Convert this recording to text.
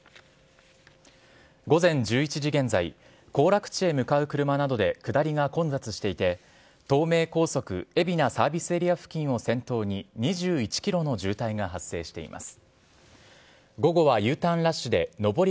午前１１時現在、行楽地へ向かう車などで下りが混雑していて、東名高速海老名サービスエリア付近を先頭に、２１キロの渋滞が発生しています。